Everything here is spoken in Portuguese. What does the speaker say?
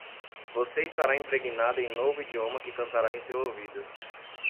Você estará impregnado em um novo idioma que cantará em seu ouvido.